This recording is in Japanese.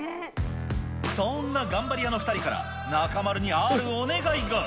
そんな頑張り屋の２人から、中丸にあるお願いが。